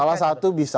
salah satu bisa